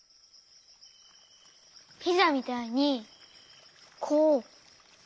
ピザみたいにこうわける？